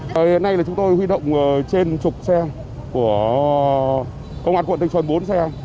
hiện nay là chúng tôi huy động trên trục xe của công an quận tây sơn bốn xe